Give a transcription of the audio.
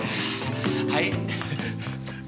はい。